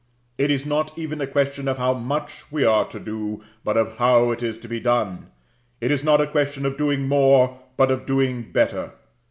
It is not even a question of how much we are to do, but of how it is to be done; it is not a question of doing more, but of doing better.